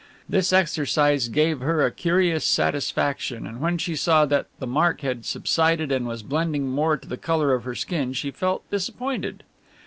This exercise gave her a curious satisfaction, and when she saw that the mark had subsided and was blending more to the colour of her skin she felt disappointed.